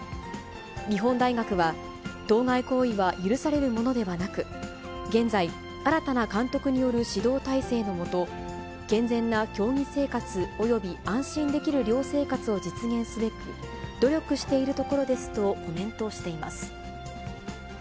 日本大学は、当該行為は許されるものではなく、現在、新たな監督による指導体制の下、健全な競技生活および安心できる寮生活を実現すべく、努力しているところですとコメントしています。